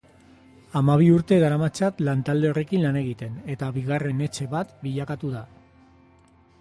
Hamabi urte daramatzat lantalde horrekin lan egiten eta bigarren etxe bat bilakatu da.